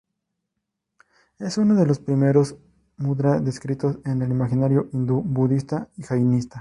Es es uno del primeros mudra descritos en el imaginario hindú, budista y jainista.